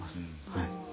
はい。